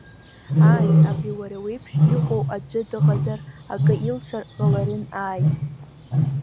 Ааи, абри уара уеиԥш иҟоу аӡәы дыҟазар, акы илшар ҟаларын, ааи!